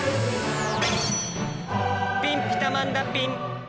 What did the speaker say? ピンピタマンだピン！